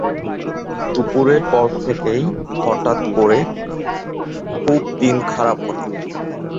দুপুরের পর থেকেই হঠাৎ করে খুব দিন-খারাপ হলো।